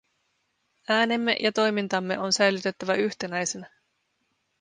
Äänemme ja toimintamme on säilyttävä yhtenäisenä.